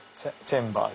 チェンバー？